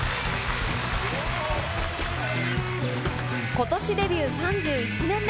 ことしデビュー３１年目。